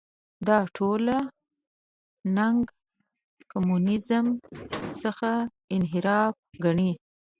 دا ټول له نګه کمونیزم څخه انحراف ګڼي.